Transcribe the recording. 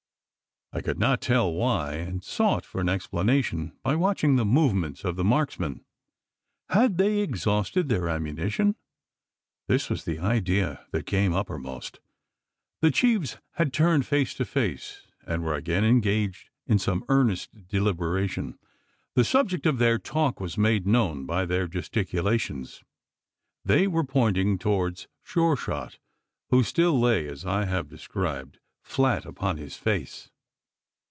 I could not tell why; and sought for an explanation by watching the movements of the marksmen. Had they exhausted their ammunition? This was the idea that came uppermost. The chiefs had turned face to face, and were again engaged in some earnest deliberation. The subject of their talk was made known by their gesticulations. They were pointing towards Sure shot, who still lay, as I have described, flat upon his face.